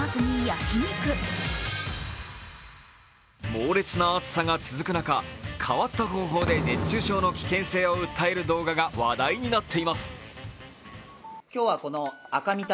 猛烈な暑さが続く中変わった方法で熱中症の危険性を訴える動画が話題になっています。